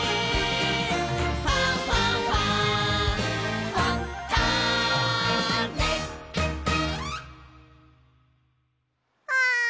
「ファンファンファン」あん。